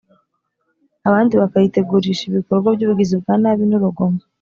abandi bakayitegurisha ibikorwa by’ubugizi bwa nabi n’urugomo.